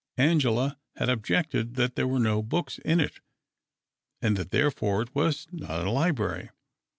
Angela had objected that there were no books in it, and that therefore it was not a library.